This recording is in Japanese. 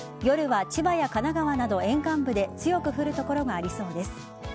夜は千葉や神奈川など沿岸部で強く降る所がありそうです。